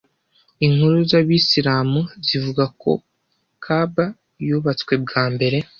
Inkuru z’Abisilamu zivuga ko “Kaʽbah yubatswe bwa mbere